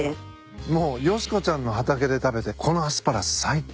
もうよしこちゃんの畑で食べてこのアスパラ最高。